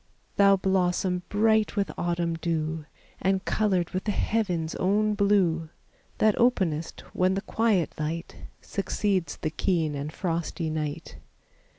Thou blossom bright with autumn dew, And colored with the heaven's own blue, That openest when the quiet light Succeeds the keen and frosty night.